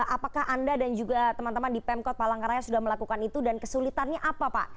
apakah anda dan juga teman teman di pemkot palangkaraya sudah melakukan itu dan kesulitannya apa pak